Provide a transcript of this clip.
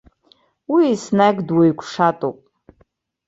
Уи еснагь дуаҩгәшаҭоуп.